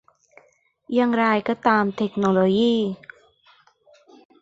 อย่างไรก็ตามเทคโนโลยี